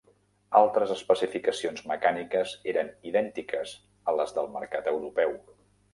Altres especificacions mecàniques eren idèntiques a les del mercat europeu.